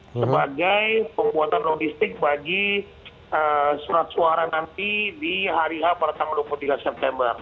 sebagai pembuatan logistik bagi surat suara nanti di hari h pada tanggal dua puluh tiga september